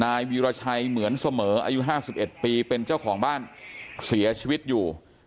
วีรชัยเหมือนเสมออายุ๕๑ปีเป็นเจ้าของบ้านเสียชีวิตอยู่